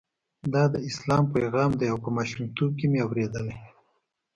دا د اسلام پیغام دی او په ماشومتوب کې مې اورېدلی.